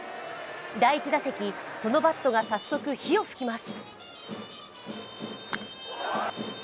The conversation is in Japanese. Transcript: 第１打席、そのバットが早速、火を噴きます。